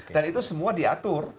dan itu semua diatur